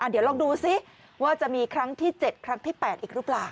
เดี๋ยวลองดูซิว่าจะมีครั้งที่๗ครั้งที่๘อีกหรือเปล่า